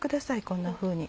こんなふうに。